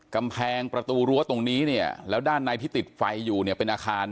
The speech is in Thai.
กำแพงประตูรั้วตรงนี้เนี่ยแล้วด้านในที่ติดไฟอยู่เนี่ยเป็นอาคาร